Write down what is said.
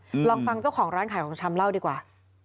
ลองฟังเจ้าของร้านขายของชำเล่าดีกว่า